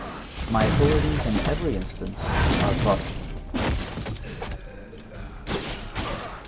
My authorities in every instance are Protestants.